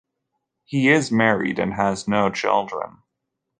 He is married and has no children.